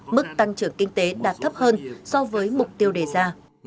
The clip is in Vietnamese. mức tăng trưởng kinh tế đạt thấp hơn so với mục tiêu đề ra